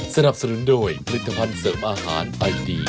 สนับสนุนโดยผลิตภัณฑ์เสริมอาหารไอดี